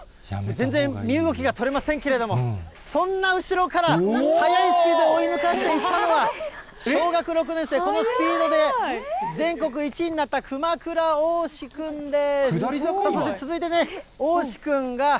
全然、身動きが取れませんけれども、そんな後ろから、速いスピード、追い抜かしていったのは、小学６年生、このスピードで全国１位になった熊倉おうし君です。